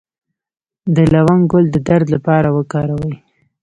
د لونګ ګل د درد لپاره وکاروئ